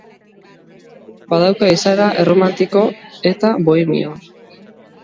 Badauka izaera erromantiko eta bohemioa.